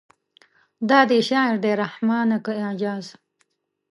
دا دې شعر دی رحمانه که اعجاز.